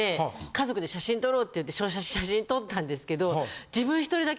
家族で写真撮ろうっていって写真撮ったんですけど。